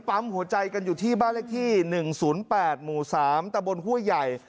ปั๊มหัวใจกันอยู่ที่บ้านเลขที่๑๐๘หมู่๓ตะบนห้วยใหญ่